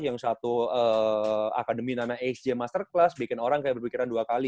yang satu akademi namanya xg masterclass bikin orang kayak berpikiran dua kali